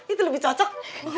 itu lebih cocok